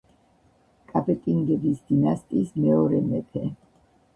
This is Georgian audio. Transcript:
კაპეტინგების დინასტიის მეორე მეფე.